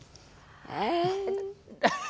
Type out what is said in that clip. え！